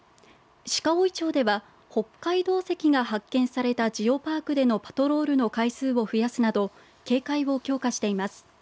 鹿追町では北海道石が発見されたジオパークでのパトロールの回数を増やすなど警戒を強化しています。